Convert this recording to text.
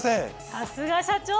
さすが社長。